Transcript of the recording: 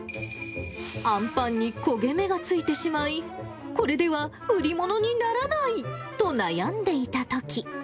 あんパンに焦げ目がついてしまい、これでは売り物にならないと悩んでいたとき。